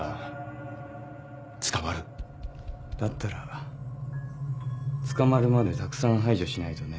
だったら捕まるまでたくさん排除しないとね。